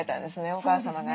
お母様がね。